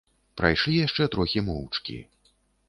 Прайшлі яшчэ трохі моўчкі.